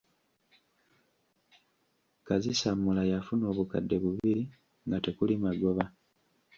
Kazissammula yafuna obukadde bubiri nga tekuli magoba!